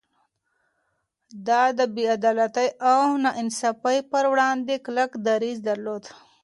ده د بې عدالتۍ او ناانصافي پر وړاندې کلک دريځ درلود.